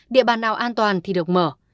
địa bàn nào an toàn thì được mở